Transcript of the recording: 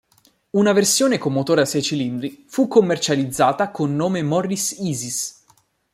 Una versione con motore a sei cilindri fu commercializzata con nome Morris Isis.